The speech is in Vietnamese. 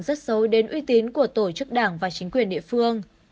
biến uy tín của tổ chức đảng và chính quyền địa phương